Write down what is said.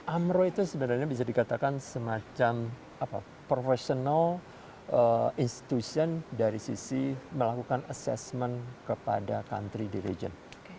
amro itu sebenarnya bisa dikatakan semacam professional institution dari sisi melakukan assessment kepada country di region